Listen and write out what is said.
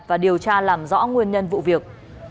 và điều tra làm rõ nguyên nhân vụ việc